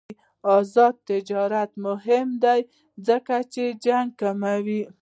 آزاد تجارت مهم دی ځکه چې جنګ کموي.